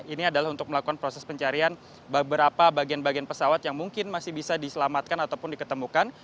ini adalah untuk melakukan proses pencarian beberapa bagian bagian pesawat yang mungkin masih bisa diselamatkan ataupun diketemukan